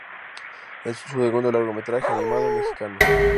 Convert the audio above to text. Es su segundo largometraje animado mexicano.